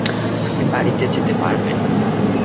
তুমি বাড়িতে যেতে পারবে না।